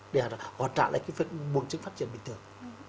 để họ trả lại buồn trứng phát triển bình thường